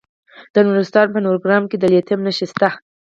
د نورستان په نورګرام کې د لیتیم نښې شته.